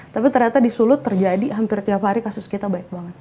tapi ternyata di solo terjadi hampir tiap hari kasus kita baik banget